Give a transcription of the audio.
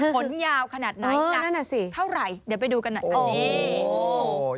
ขนยาวขนาดไหนหนักเท่าไหร่เดี๋ยวไปดูกันหน่อยนี่โอ้โห